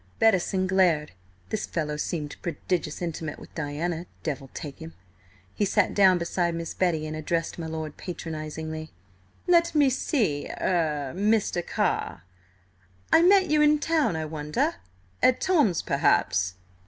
Bettison glared. This fellow seemed prodigious intimate with Diana, devil take him! He sat down beside Miss Betty, and addressed my lord patronisingly. "Let me see–er–Mr. Carr. Have I met you in town, I wonder? At Tom's, perhaps?"